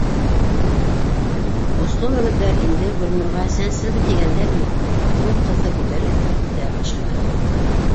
Осло мөгөҙҙәр инде Гөлнурға сәнселде тигәндә генә, ул ҡыҙҙы күтәреп кәртә аша ырғытты.